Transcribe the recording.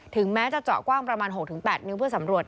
แม้จะเจาะกว้างประมาณ๖๘นิ้วเพื่อสำรวจ